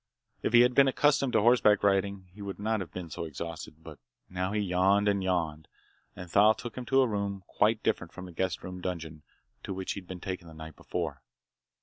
If he had been accustomed to horseback riding, he wouldn't have been so exhausted. But now he yawned, and yawned, and Thal took him to a room quite different from the guest room dungeon to which he'd been taken the night before.